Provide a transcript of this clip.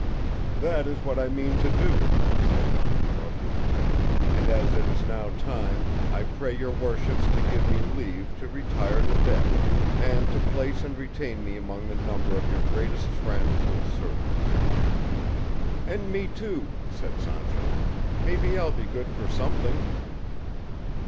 "That is what I mean to do," said Don Quixote; "and as it is now time, I pray your worships to give me leave to retire to bed, and to place and retain me among the number of your greatest friends and servants." "And me too," said Sancho; "maybe I'll be good for something."